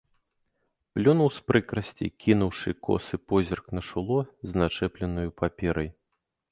Плюнуў з прыкрасці, кінуўшы косы позірк на шуло з начэпленаю паперай.